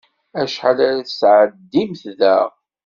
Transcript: Acḥal ara tesεeddimt da?